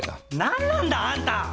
なんなんだあんた！